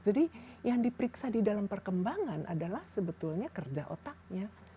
jadi yang diperiksa di dalam perkembangan adalah sebetulnya kerja otaknya